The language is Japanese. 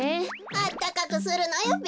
あったかくするのよべ。